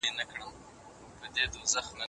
ډېرو ړوندو سړيو په ګڼ ځای کي ږیري درلودلې.